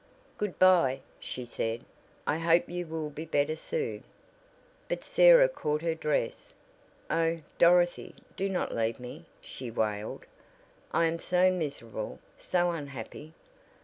"Good bye," she said. "I hope you will be better soon." But Sarah caught her dress. "Oh, Dorothy, do not leave me," she wailed. "I am so miserable, so unhappy!